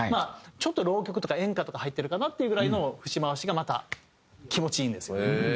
ちょっと浪曲とか演歌とか入ってるかなっていうぐらいの節回しがまた気持ちいいんですよ。